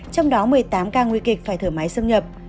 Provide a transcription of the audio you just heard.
trong đó một mươi tám ca nguy kịch phải thở máy xâm nhập